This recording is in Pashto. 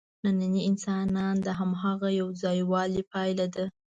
نننی انسان د هماغه یوځایوالي پایله ده.